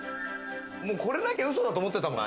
これなきゃウソだと思ってたもん。